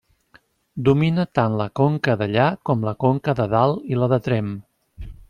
Domina tant la Conca Dellà com la Conca de Dalt i la de Tremp.